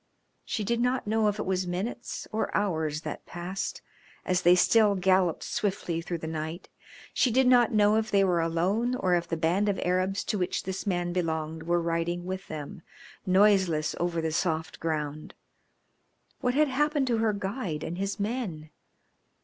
She did not know if it was minutes or hours that passed as they still galloped swiftly through the night. She did not know if they were alone or if the band of Arabs to which this man belonged were riding with them, noiseless over the soft ground. What had happened to her guide and his men?